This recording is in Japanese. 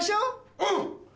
うん！